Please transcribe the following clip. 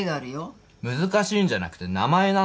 難しいんじゃなくて名前なの。